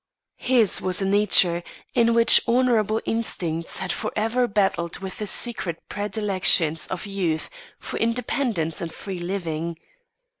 His was a nature in which honourable instincts had forever battled with the secret predilections of youth for independence and free living.